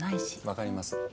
分かります。